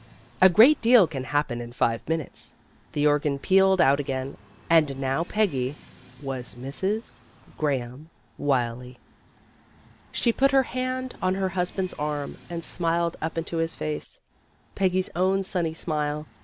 A great deal can happen in five minutes. The organ pealed out again, and now Peggy was Mrs. Graham Wylie. She put her hand on her husband 's arm and smiled up into his face, Peggy's own sunny smile.